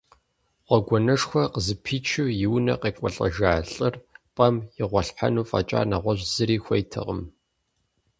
Гъуэгуанэшхуэ къызэпичу и унэ къекӏуалӏэжа лӏыр пӏэм игъуэлъхьэну фӏэкӏа нэгъуэщӏ зыри хуейтэкъым.